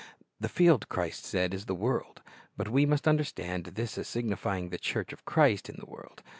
"The field," Christ said, "is the world." But we must understand this as signifying the church of Christ in the world.